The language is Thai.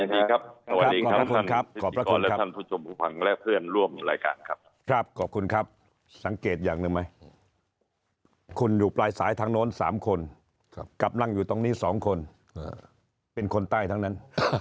และเพื่อนร่วมละกันครับครับขอบคุณครับสังเกตอย่างนึงไหมคุณอยู่ปลายสายทางน้อง๓คนกำลังอยู่ตรงนี้๒คนเป็นคนใต้ทั้งนั้น